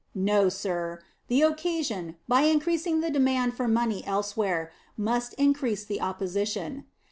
No, sir; the occasion, by increasing the demand for money elsewhere, must increase the opposition.